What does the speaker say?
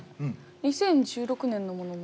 ２０１６年のものも。